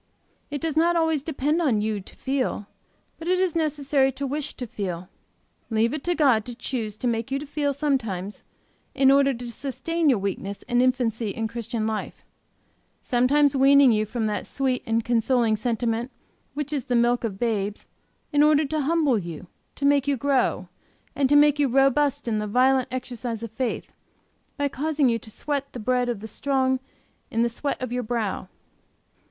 It does not always depend on you to feel; but it is necessary to wish to feel. Leave it to God to choose to make you feel sometimes, in order to sustain your weakness and infancy in Christian life; sometimes weaning you from that sweet and consoling sentiment which is the milk of babes, in order to humble you, to make you grow, and to make you robust in the violent exercise of faith, by causing you to sweat the bread of the strong in the sweat of your brow.